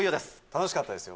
楽しかったですよ。